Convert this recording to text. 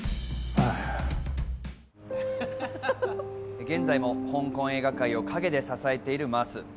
現在も香港映画界を陰で支えているマース。